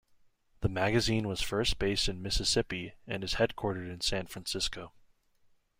The magazine was first based in Mississippi and is headquartered in San Francisco.